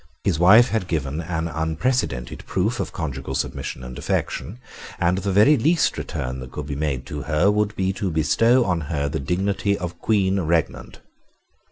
His wife had given an unprecedented proof of conjugal submission and affection; and the very least return that could be made to her would be to bestow on her the dignity of Queen Regnant.